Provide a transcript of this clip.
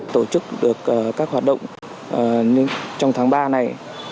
tổ chức được các hoạt động trong tháng ba này